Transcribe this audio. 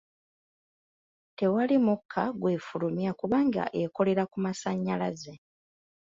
Tewali mukka gw'efulumya kubanga ekolera ku masannyalaze.